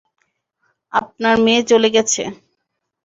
আপনার মেয়ে চলে গেছে।